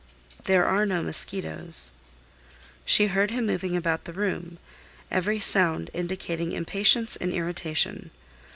"There are no mosquitoes." She heard him moving about the room; every sound indicating impatience and irritation.